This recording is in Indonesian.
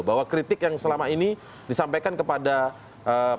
bahwa kritik yang selama ini disampaikan kepada pemerintah